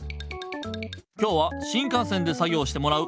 今日は新かん線で作ぎょうしてもらう。